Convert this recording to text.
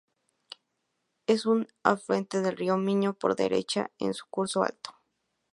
Es un afluente del río Miño por la derecha, en su curso alto.